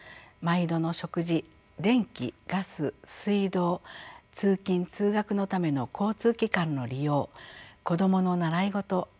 毎度の食事電気・ガス・水道通勤・通学のための交通機関の利用子どもの習い事